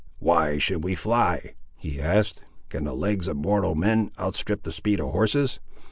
"Why should we fly?" he asked. "Can the legs of mortal men outstrip the speed of horses?